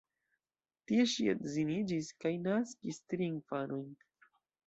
Tie ŝi edziniĝis kaj naskis tri infanojn.